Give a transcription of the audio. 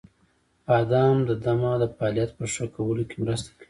• بادام د دمه د فعالیت په ښه کولو کې مرسته کوي.